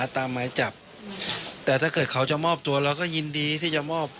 แต่ถ้าเกิดเขามอบตัวเราก็ยินดีที่จะมอบ